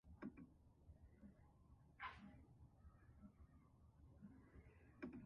It is currently kept in the National Treasury of Iran in Tehran.